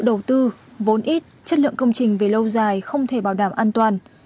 đầu tư vốn ít chất lượng công trình về lâu dài không thể bảo đảm an toàn